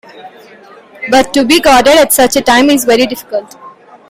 But to be guarded at such a time is very difficult.